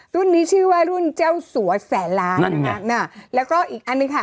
รุ่นนี้ชื่อว่ารุ่นเจ้าสวแสรานะแล้วก็อีกอันนี้ค่ะ